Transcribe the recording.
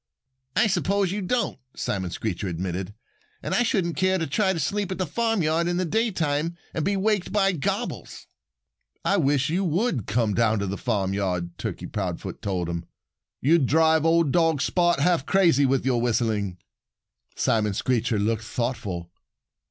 "I suppose you don't," Simon Screecher admitted. "And I shouldn't care to try to sleep at the farmyard in the daytime and he waked by gobbles." "I wish you would come down to the farmyard," Turkey Proudfoot told him. "You'd drive old dog Spot half crazy with your whistling." Simon Screecher looked thoughtful.